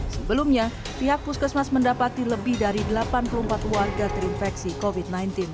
sebelumnya pihak puskesmas mendapati lebih dari delapan puluh empat warga terinfeksi covid sembilan belas